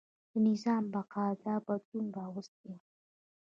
د نظام بقا دا بدلون راوستی.